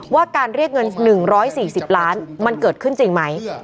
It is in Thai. ว่าการเรียกเงิน๑๔๐ล้านมันเกิดขึ้นจริงไหม